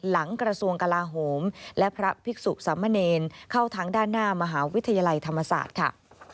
กระทรวงกลาโหมและพระภิกษุสมเนรเข้าทั้งด้านหน้ามหาวิทยาลัยธรรมศาสตร์ค่ะ